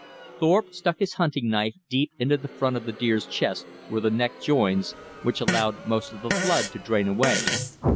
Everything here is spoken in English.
Thorpe stuck his hunting knife deep into the front of the deer's chest, where the neck joins, which allowed most of the blood to drain away.